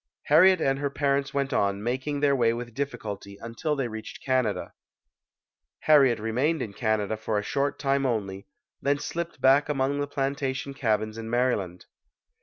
Harriet and her parents went on, making their way with difficulty, until they reached Canada. Harriet remained in Canada for a short time only, then slipped back among the plantation cabins in Maryland.